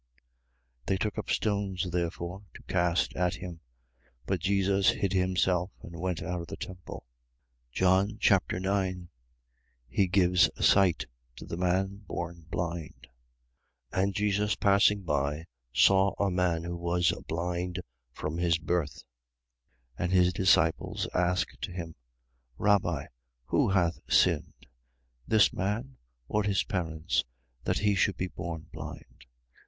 8:59. They took up stones therefore to cast at him. But Jesus hid himself and went out of the temple. John Chapter 9 He gives sight to the man born blind. 9:1. And Jesus passing by, saw a man who was blind from his birth. 9:2. And his disciples asked him: Rabbi, who hath sinned, this man or his parents, that he should be born blind?